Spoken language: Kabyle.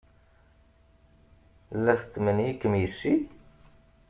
La tetmenyikem yes-i?